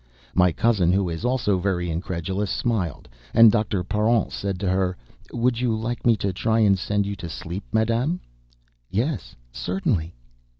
My cousin, who is also very incredulous, smiled, and Dr. Parent said to her: "Would you like me to try and send you to sleep, Madame?" "Yes, certainly."